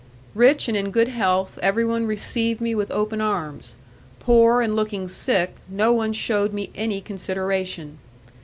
Rich and in good health, everyone received me with open arms; poor and looking sick, no one shewed me any consideration.